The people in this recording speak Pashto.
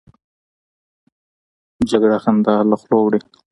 جګړه خندا له خولو وړي